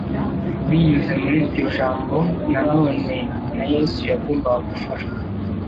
binyuze mur'iryo jambo na none, na Yesu yagombaga gufashwa